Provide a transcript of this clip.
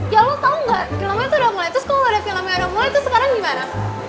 ya lo tau gak filmnya itu udah mulai terus kalo udah filmnya udah mulai sekarang gimana